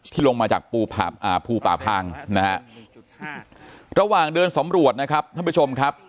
ลงมาจากภูป่าพางนะฮะระหว่างเดินสำรวจนะครับท่านผู้ชมครับ